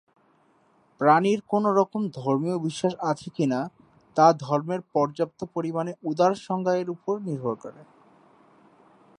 প্রাণীর কোন রকম ধর্মীয় বিশ্বাস আছে কিনা তা ধর্মের পর্যাপ্ত পরিমাণে উদার সংজ্ঞা এর উপরে নির্ভর করে।